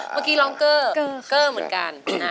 เมื่อกี้ร้องเกอร์เกอร์เหมือนกัน